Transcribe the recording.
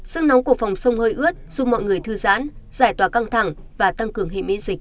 sức nóng của phòng sông hơi ướt giúp mọi người thư giãn giải tỏa căng thẳng và tăng cường hệ miễn dịch